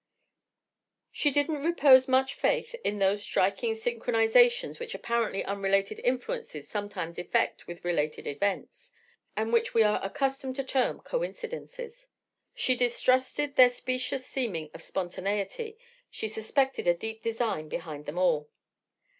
She didn't repose much faith in those striking synchronizations which apparently unrelated influences sometimes effect with related events, and which we are accustomed to term coincidences. She distrusted their specious seeming of spontaneity, she suspected a deep design behind them all.